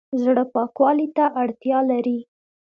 زړه پاکوالي ته اړتیا لري